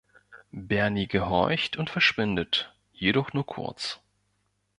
Bernie gehorcht und verschwindet, jedoch nur kurz.